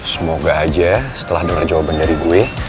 semoga aja setelah dengar jawaban dari gue